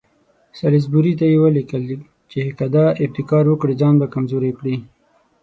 سالیزبوري ته یې ولیکل چې که دا ابتکار وکړي ځان به کمزوری کړي.